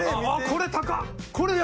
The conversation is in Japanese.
これ安っ！